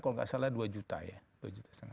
kalau tidak salah dua juta